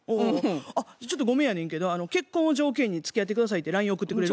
ちょっとごめんやねんけど「結婚を条件につきあって下さい」ってライン送ってくれる？